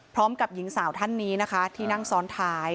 พร้อมกับหญิงสาวท่านนี้นะคะที่นั่งซ้อนท้าย